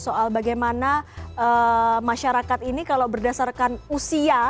soal bagaimana masyarakat ini kalau berdasarkan usia